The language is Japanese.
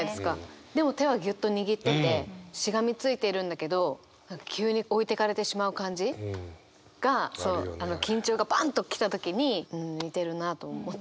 でも手はぎゅっと握っててしがみついているんだけど急に置いてかれてしまう感じが緊張がバンッと来た時に似てるなと思って書いたんですけど。